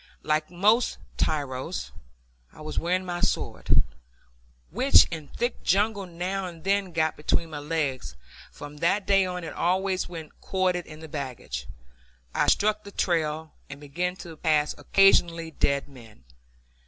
Like most tyros, I was wearing my sword, which in thick jungle now and then got between my legs from that day on it always went corded in the baggage. I struck the trail, and began to pass occasional dead men.